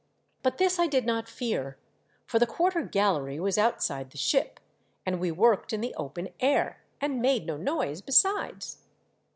But this I did not fear, for the quarter gallery was outside the ship, and we worked in the open air, and made no noise besides.